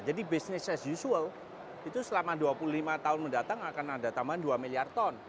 jadi business as usual itu selama dua puluh lima tahun mendatang akan ada tambahan dua miliar ton